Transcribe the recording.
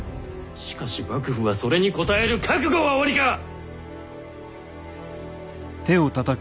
しかし幕府はそれに応える覚悟はおありか！